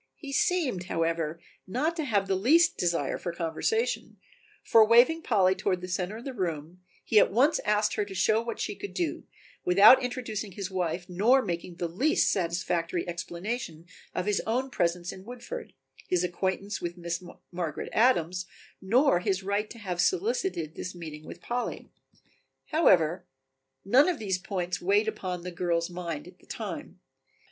He seemed, however, not to have the least desire for conversation, for waving Polly toward the center of the room, he at once asked her to show what she could do, without introducing his wife nor making the least satisfactory explanation of his own presence in Woodford, his acquaintance with Miss Margaret Adams, nor his right to have solicited this meeting with Polly. However, none of these points weighed upon the girl's mind at the time.